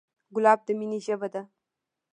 ګلاب د مینې ژبه ده.